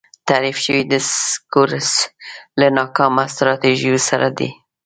تحریف شوی دسکورس له ناکامه سټراټیژیو سره دی.